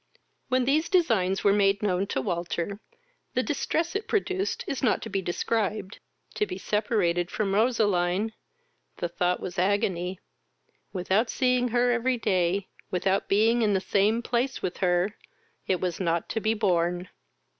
When these designs were made known to Walter, the distress it produced is not to be described. To be separated from Roseline! the thought was agony; without seeing her every day, without being in the same place with her, it was not to be borne.